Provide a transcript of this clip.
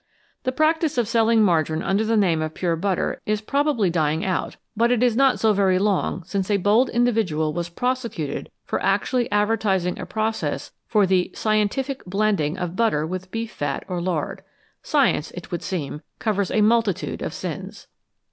The practice of selling margarine under the name of pure butter is probably dying out, but it is not so very long since a bold individual was prosecuted for actually ad vertising a process for the "scientific" blending of butter with beef fat or lard. Science, it would seem, covers a multitude of sins.